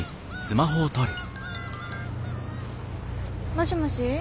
もしもし。